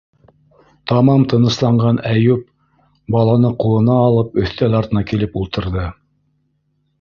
Тамам тынысланған Әйүп, баланы ҡулына алып, өҫтәл артына килеп ултырҙы.